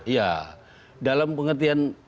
ya dalam pengertian